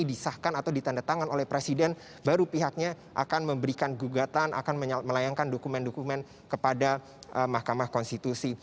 disahkan atau ditandatangan oleh presiden baru pihaknya akan memberikan gugatan akan melayangkan dokumen dokumen kepada mahkamah konstitusi